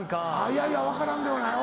いやいや分からんではないおう。